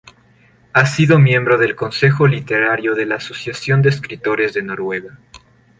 Ha sido miembro del Consejo literario de la Asociación de escritores de Noruega.